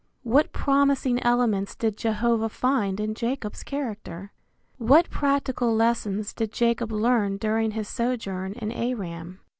What promising elements did Jehovah find in Jacob's character? What practical lessons did Jacob learn during his sojourn in Aram?